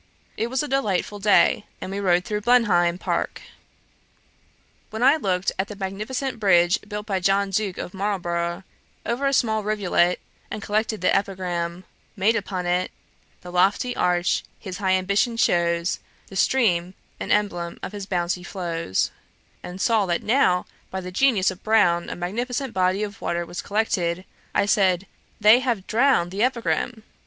It was a delightful day, and we rode through Blenheim park. When I looked at the magnificent bridge built by John Duke of Marlborough, over a small rivulet, and recollected the Epigram made upon it 'The lofty arch his high ambition shows, The stream, an emblem of his bounty flows:' and saw that now, by the genius of Brown, a magnificent body of water was collected, I said, 'They have drowned the Epigram.'